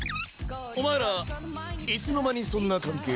お前らいつの間にそんな関係に？